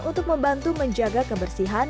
untuk membantu menjaga kebersihan